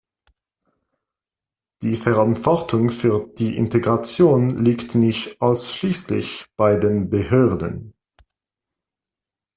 Die Verantwortung für die Integration liegt nicht ausschließlich bei den Behörden.